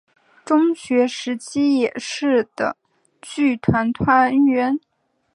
中学时期也是的剧团团员。